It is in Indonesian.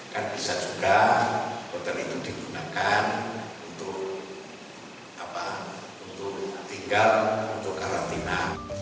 kan bisa juga hotel itu digunakan untuk tinggal untuk karantina